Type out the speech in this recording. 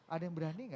ada yang berani gak